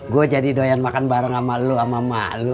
gue jadi doyan makan bareng sama lu sama mak lu